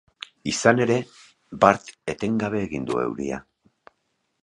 Izan ere, bart etengabe egin du euria.